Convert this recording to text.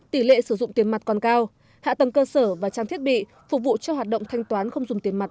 tỷ lệ sử dụng tiền mặt còn cao hạ tầng cơ sở và trang thiết bị phục vụ cho hoạt động thanh toán không dùng tiền mặt